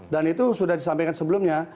dan itu sudah disampaikan sebelumnya